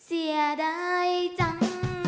เสียได้จัง